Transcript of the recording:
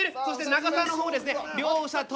そして長澤の方ですね両者